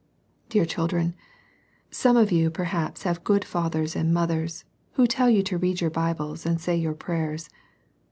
Dear children, some of you perhaps have good fathers and mothers, who tell you to read your Bibles and say your prayers.